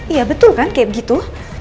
iya betul kan kayak gitu